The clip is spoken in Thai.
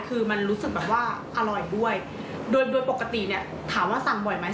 คือมันรู้สึกแบบว่าอร่อยด้วยโดยโดยปกติเนี่ยถามว่าสั่งบ่อยไหม